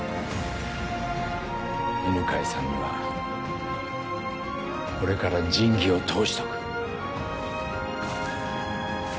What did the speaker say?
犬飼さんには俺から仁義を通しとく。